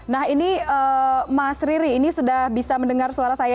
nah ini mas riri ini sudah bisa mendengar suara saya